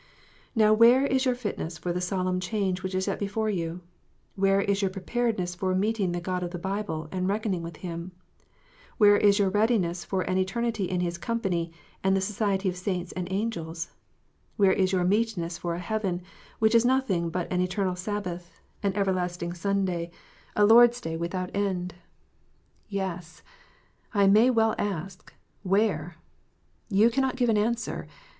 I^ow where is your fitness for the solemn change which is yet before you ? Where is your preparedness for meeting the God of the Bible, and reckoning with Him 1 Where is your readi ness for an eternity in His company, and the society of saints and angels 1 Where is your nieetness for a heaven, which is nothing but an eternal Sabbath, an everlasting Sunday, a Lord s 318 KNOTS UNTIED. Day without end 1 Yes ! I may well ask, Where ? You cannot give an answer.